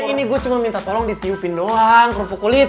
ini gue cuma minta tolong ditiupin doang kerupuk kulit